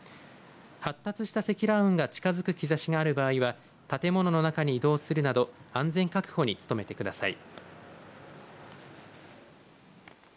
発達した積乱雲が近づく兆しがある場合は建物の中に移動するなど安全確保に努めてください。